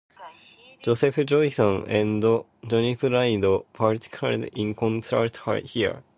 Joseph Joachim and Jenny Lind participated in concerts here.